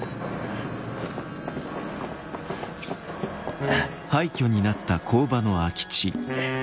あっ。